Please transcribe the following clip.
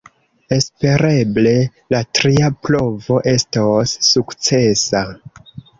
Espereble la tria provo estos sukcesa.